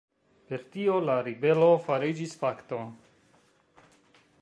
Per tio la ribelo fariĝis fakto.